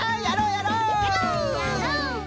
やろう！